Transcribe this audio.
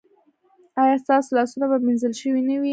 ایا ستاسو لاسونه به مینځل شوي نه وي؟